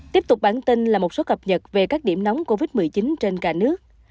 tiếp tục bản tin là một số cập nhật về các điểm nóng covid một mươi chín trên cả nước